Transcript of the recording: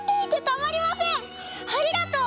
ありがとう！